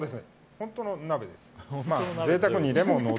本当の鍋です。